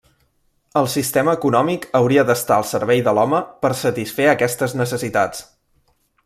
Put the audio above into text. El sistema econòmic hauria d'estar al servei de l'home per satisfer aquestes necessitats.